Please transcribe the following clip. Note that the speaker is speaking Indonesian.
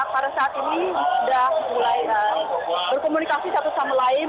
pada saat ini sudah mulai berkomunikasi satu sama lain